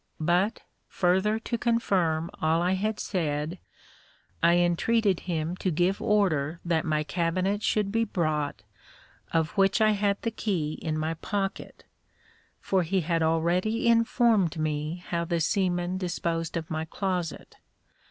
But, further to confirm all I had said, I entreated him to give order that my cabinet should be brought, of which I had the key in my pocket; for he had already informed me how the seamen disposed of my closet.